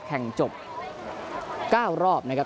จบ๙รอบนะครับ